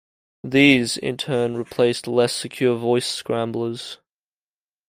These, in turn, replaced less secure voice scramblers.